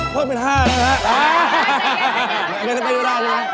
เพิ่มเป็นห้าแล้วครับ